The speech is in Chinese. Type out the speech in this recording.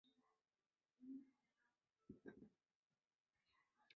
南京国民政府的消极态度引发中国及南洋华人华侨舆论强烈不满。